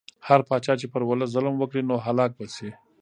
هر پاچا چې پر ولس ظلم وکړي نو هلاک به شي.